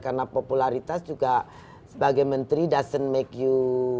karena popularitas juga sebagai menteri doesn't make you